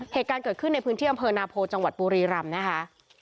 เหตุการณ์เกิดขึ้นในพื้นที่อำเภอนาโพจังหวัดบุรีรำนะคะ